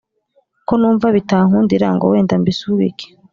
ko numva bitankundira ngo wenda mbisubike